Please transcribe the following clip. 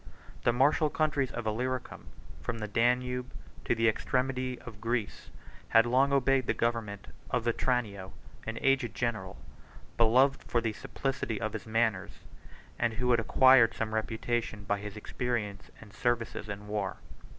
The martial countries of Illyricum, from the Danube to the extremity of Greece, had long obeyed the government of Vetranio, an aged general, beloved for the simplicity of his manners, and who had acquired some reputation by his experience and services in war.